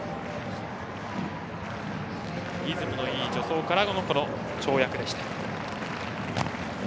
リズムのいい助走からの跳躍でした。